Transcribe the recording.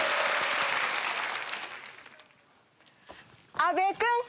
阿部君！